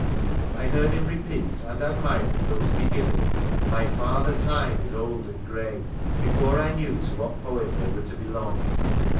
I heard him repeat (and admired) those beginning, —My Father Time is old and grey,* before I knew to what poem they were to belong.